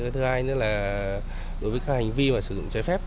thứ hai nữa là đối với các hành vi mà sử dụng trái phép